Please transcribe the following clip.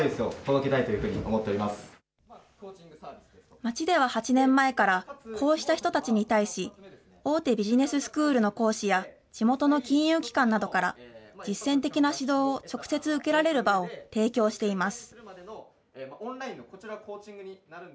町では８年前からこうした人たちに対し、大手ビジネススクールの講師や地元の金融機関などから実践的な指導を直接受けられる場を提供しています。